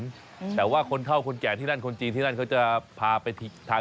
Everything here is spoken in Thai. ก็ปิดแล้วมันจะกินอะไรได้วันหลัง